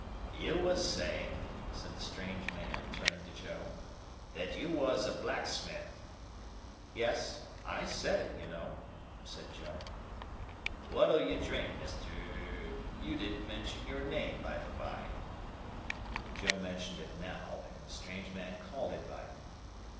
"You was saying," said the strange man, turning to Joe, "that you was a blacksmith." "Yes. I said it, you know," said Joe. "What'll you drink, Mr.—? You didn't mention your name, by the bye." Joe mentioned it now, and the strange man called him by it.